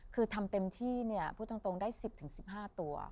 คือทำเต็มที่พูดตรงได้๑๐ถึง๑๕ตัว